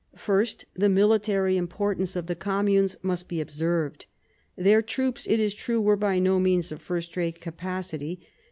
First, the military importance of the communes must be observed. Their troops, it is true, were by no means of first rate capacity.